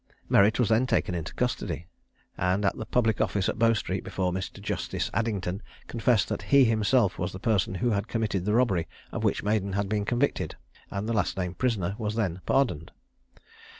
Merritt was then taken into custody, and at the public office in Bow street, before Mr. Justice Addington, confessed that he himself was the person who had committed the robbery of which Maden had been convicted, and the last named prisoner was then pardoned.